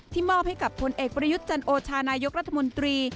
มอบให้กับผลเอกประยุทธ์จันโอชานายกรัฐมนตรี